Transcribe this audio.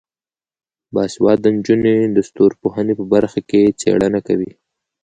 باسواده نجونې د ستورپوهنې په برخه کې څیړنه کوي.